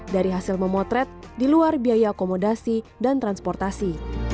dari hasil memotret di luar biaya akomodasi dan transportasi